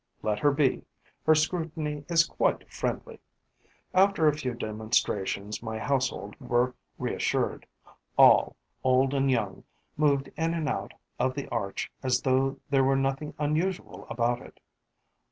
Let her be: her scrutiny is quite friendly. After a few demonstrations, my household were reassured: all, old and young, moved in and out of the arch as though there were nothing unusual about it.